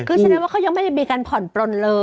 คือฉะนั้นว่าเขายังไม่มีการผ่อนปล้นเลย